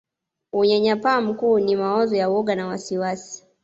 Unyanyapaa mkuu ni mawazo ya woga na wasiwasi